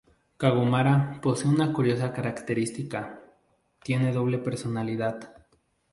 Kawamura posee una curiosa característica: tiene doble personalidad.